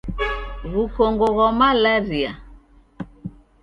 Wukongo ghwa malaria